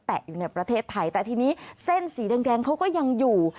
อยู่ในประเทศไทยแต่ทีนี้เส้นสีแดงเขาก็ยังอยู่